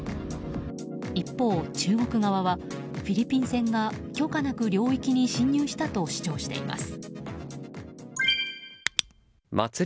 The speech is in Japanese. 一方、中国側はフィリピン船が許可なく領域に侵入したと主張しています。